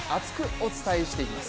お伝えしていきます。